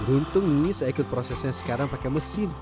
untung ini saya ikut prosesnya sekarang pakai mesin